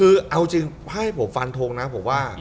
เอาจริงให้ผมฟันทงนะ